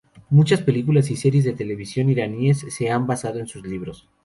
Muchas películas y series de televisión iraníes se han basado en sus libros.